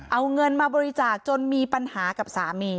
เอาเงินมาบริจาคจนมีปัญหากับสามี